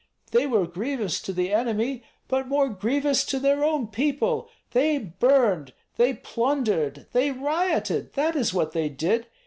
They were grievous to the enemy, but more grievous to their own people. They burned, they plundered, they rioted; that is what they did.